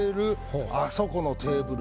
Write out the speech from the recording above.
あそこのテーブル